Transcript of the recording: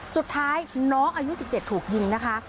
สุดท้ายน้องอายุ๑๗ถูกยิงนะคะ